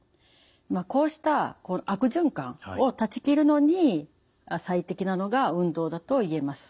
こうした悪循環を断ち切るのに最適なのが運動だと言えます。